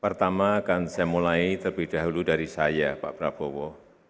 pertama akan saya mulai terlebih dahulu dari saya pak prabowo